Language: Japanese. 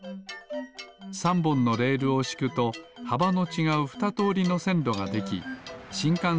３ぼんのレールをしくとはばのちがうふたとおりのせんろができしんかん